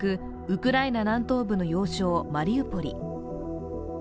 ウクライナ南東部の要衝マリウポリ。